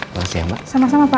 mas ya mbak sama sama pak